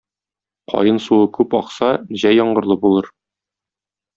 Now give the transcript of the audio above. Каен суы күп акса, җәй яңгырлы булыр.